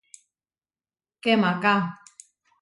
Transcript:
¡Kemaká!